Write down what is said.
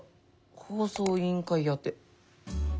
放送委員会宛て。